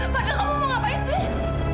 fadhil kamu mau ngapain sih